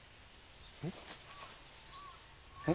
えっ？